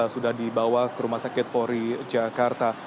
sudah dibawa ke rumah sakit polri jakarta